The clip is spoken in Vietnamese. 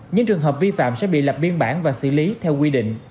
những trường hợp vi phạm sẽ bị lập biên bản và xử lý theo quy định